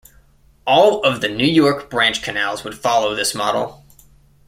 All of the New York branch canals would follow this model.